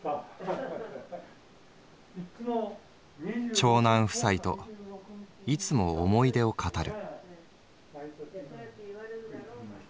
「長男夫妻といつも思い出を語る」。